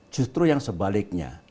justru yang sebaliknya